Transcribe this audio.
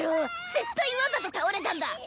絶対わざと倒れたんだ！